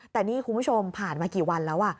แต่นี่คุณผู้ชมผ่านมากี่วันแล้ว